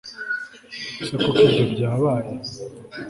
ese koko ibyo byabaye